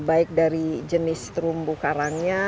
baik dari jenis terumbu karangnya